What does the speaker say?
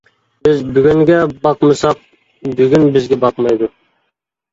بىز بۈگۈنگە باقمىساق، بۈگۈن بىزگە باقمايدۇ.